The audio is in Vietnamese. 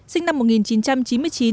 sinh năm một nghìn chín trăm chín mươi chín